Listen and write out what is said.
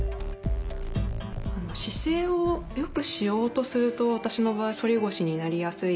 姿勢をよくしようとすると私の場合反り腰になりやすいです。